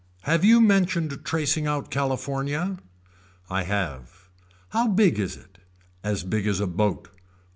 Have you mentioned tracing out California. I have. How big is it. As big as a boat.